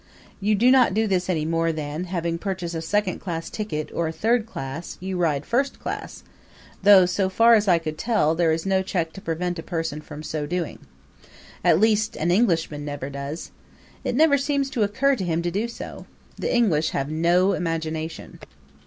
You do not do this any more than, having purchased a second class ticket, or a third class, you ride first class; though, so far as I could tell, there is no check to prevent a person from so doing. At least an Englishman never does. It never seems to occur to him to do so. The English have no imagination.